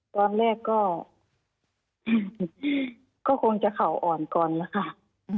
ตอนแรกก็ก็คงจะเขาอ่อนก่อนละค่ะอืม